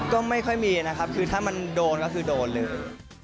ก็ไม่ค่อยมีนะครับคือถ้ามันโดนก็คือโดนเลย